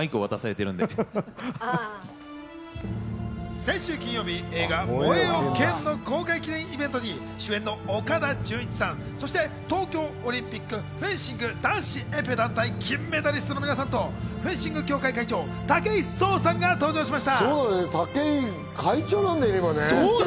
先週金曜日、映画『燃えよ剣』の公開記念イベントに主演の岡田准一さん、そして東京オリンピック・フェンシング男子エペ団体金メダリストの皆さんと、フェンシング協会会長・武井壮さんが登場しました。